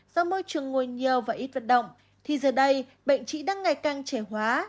do môi trường ngồi nhiều và ít vận động thì giờ đây bệnh trị đang ngày càng trẻ hóa